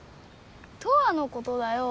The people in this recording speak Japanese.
トアのことだよ。